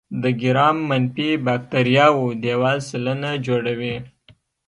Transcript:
د ګرام منفي باکتریاوو دیوال سلنه جوړوي.